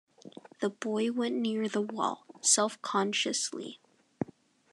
The boy went near the wall, self-consciously.